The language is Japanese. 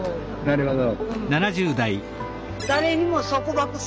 なるほど。